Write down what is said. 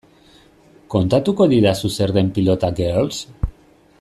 Kontatuko didazu zer den Pilota Girls?